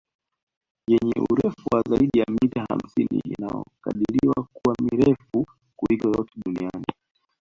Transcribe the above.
Yenye urefu wa zaidi ya mita hamsini na inakadiliwa kuwa mirefu kuliko yote duniani